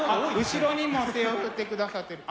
後ろにも手を振ってくださってる。